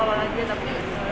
sampai dengan sekarang